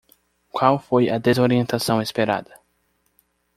Qual foi a desorientação esperada?